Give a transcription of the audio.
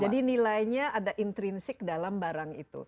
jadi nilainya ada intrinsik dalam barang itu